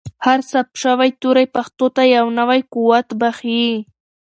هر ثبت شوی توری پښتو ته یو نوی قوت بښي.